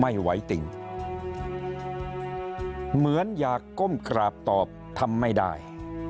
ไม่ไหวติ่งเหมือนอยากก้มกราบตอบทำไม่ได้